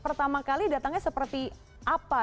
pertama kali datangnya seperti apa